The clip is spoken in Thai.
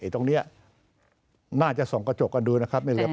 ตรงนี้น่าจะส่องกระจกกันดูนะครับ